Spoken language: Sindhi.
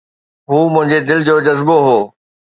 هو منهنجي دل جو جذبو هو